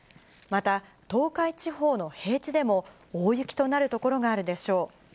また、東海地方の平地でも、大雪となる所があるでしょう。